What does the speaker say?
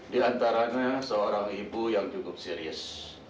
di antaranya seorang ibu yang cukup serius